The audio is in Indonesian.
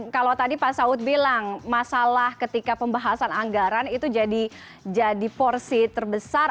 kalau tadi pak saud bilang masalah ketika pembahasan anggaran itu jadi porsi terbesar